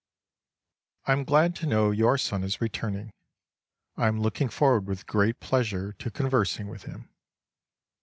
I am glad to know your son is returning. I am looking forward with great pleasure to conversing with him.